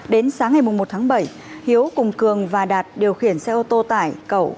đến sáng ngày một tháng bảy hiếu cùng cường và đạt điều khiển xe ô tô tải cậu